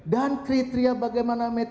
dan kriteria bagaimana